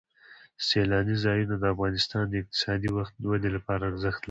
سیلانی ځایونه د افغانستان د اقتصادي ودې لپاره ارزښت لري.